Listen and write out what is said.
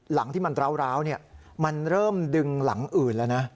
หลังที่มันร้าวมันเริ่มดึงหลังอื่นแล้วนะ